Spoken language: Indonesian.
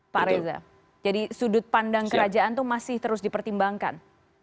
pak reza jadi sudut pandang kerajaan itu masih terus dipertimbangkan